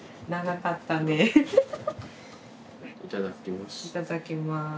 いただきます。